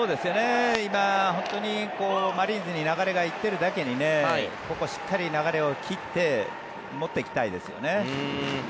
今、本当にマリーンズに流れが行っているだけにここ、しっかり流れを切って持っていきたいですよね。